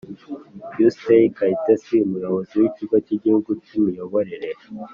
Usta Kayitesi Umuyobozi w Ikigo cy Igihugu cy Imiyoborere